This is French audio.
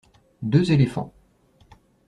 Deux éléphants.